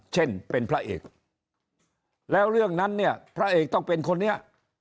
เช่นเป็นพระเอกแล้วเรื่องนั้นเนี่ยพระเอกต้องเป็นคนนี้